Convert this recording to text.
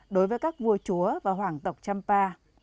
đối với các vua chúa và hoàng tộc champa